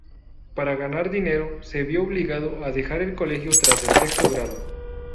Para ganar dinero, se vio obligado a dejar el colegio tras el sexto grado.